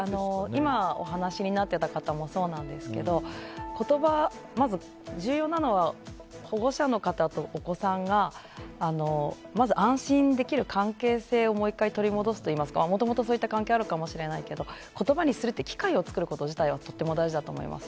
今、お話になってた方もそうなんですけどまず重要なのは保護者の方とお子さんがまず安心できる関係性をもう１回取り戻すといいますかもともとそういった関係はあるかもしれないけど言葉にする機会を作ること自体がとても大切だと思います。